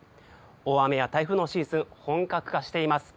大雨や台風のシーズン本格化しています。